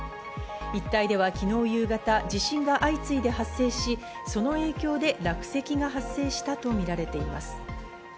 一帯では昨日夕方、地震が相次いで発生し、その影響で落石が発生したとみられています。